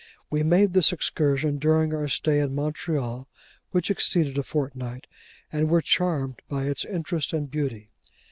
We made this excursion during our stay in Montreal (which exceeded a fortnight), and were charmed by its interest and beauty.